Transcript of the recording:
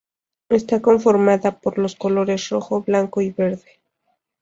Está conformada por los colores rojo, blanco y verde.